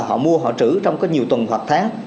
họ mua họ trữ trong cái nhiều tuần hoặc tháng